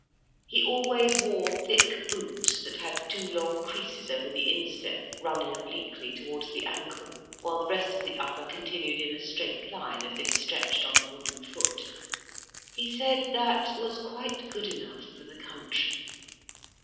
He always wore thick boots that had two long creases over the instep running obliquely towards the ankle, while the rest of the upper continued in a straight line as if stretched on a wooden foot. He said that "was quite good enough for the country."